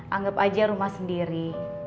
anggap aja rumah sendiri